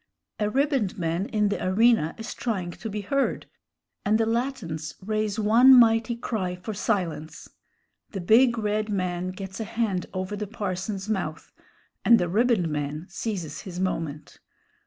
A ribboned man in the arena is trying to be heard, and the Latins raise one mighty cry for silence. The big red man gets a hand over the parson's mouth, and the ribboned man seizes his moment.